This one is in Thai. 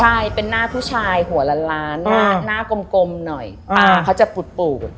ใช่เป็นหน้าผู้ชายหัวล้านหน้ากลมหน่อยตาเขาจะปูด